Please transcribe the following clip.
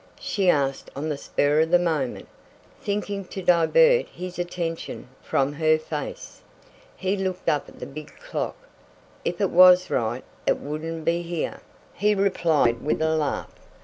she asked on the spur of the moment, thinking to divert his attention from her face. He looked up at the big clock. "If it was right it wouldn't be here," he replied with a laugh.